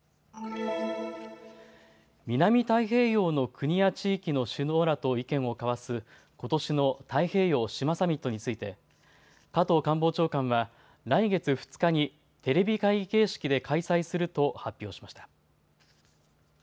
南太平洋の国や地域の首脳らと意見を交わすことしの太平洋・島サミットについて加藤官房長官は来月２日にテレビ会議形式で開催すると発表しました。